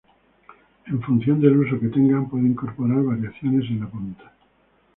En función del uso que tengan pueden incorporar variaciones en la punta.